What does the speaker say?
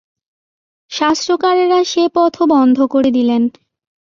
শাস্ত্রকারেরা সে পথও বন্ধ করে দিলেন।